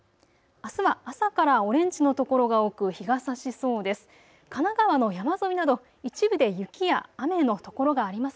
あすは朝からオレンジの所が多く日がさしそうです。